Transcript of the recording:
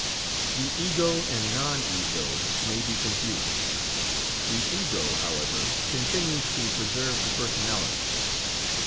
The ego and non ego may be confused; the ego, however, continues to preserve the personality.